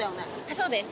そうです。